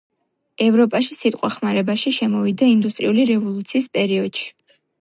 ევროპაში სიტყვა ხმარებაში შემოვიდა ინდუსტრიული რევოლუციის პერიოდში.